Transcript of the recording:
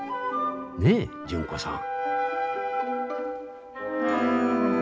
ねえ純子さん。